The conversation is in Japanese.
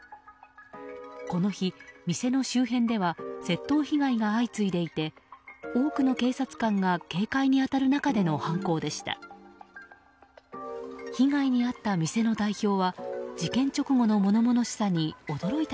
この日、店の周辺では窃盗被害が相次いでいて多くの警察官が警戒に当たる中での犯行でした。